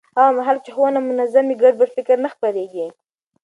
هغه مهال چې ښوونه منظم وي، ګډوډ فکر نه خپرېږي.